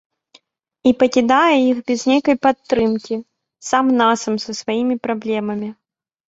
І пакідае іх без нейкай падтрымкі, сам насам са сваімі праблемамі.